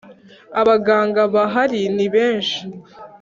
Abaganga bahari ni benshi